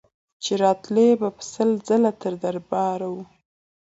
چي راغلې به سل ځله تر دربار وه